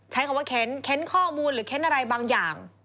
ใช้คำว่าเค้นข้อมูลหรือเค้นอะไรบางอย่าง